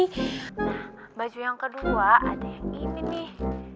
nah baju yang kedua ada yang ini nih